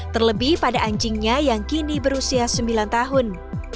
terlebih pada anjingnya yang kini berusia sembilan tahun